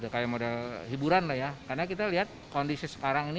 kayak model hiburan lah ya karena kita lihat kondisi sekarang ini